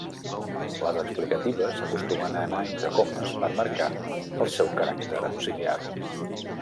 Les explicatives acostumen a anar entre comes per marcar el seu caràcter auxiliar.